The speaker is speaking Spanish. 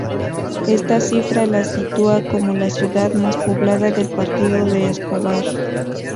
Esta cifra la sitúa como la ciudad más poblada del partido de Escobar.